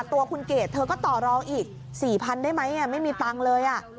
ตัวคุณเกดเธอก็ต่อรองอีก๔๐๐๐ได้ไหมไม่มีตังค์เลย